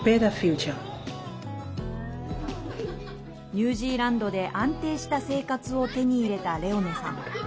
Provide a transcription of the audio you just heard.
ニュージーランドで安定した生活を手に入れたレオネさん。